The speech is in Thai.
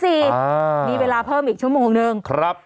มีเวลาเพิ่มอีกชั่วโมงนึงครับ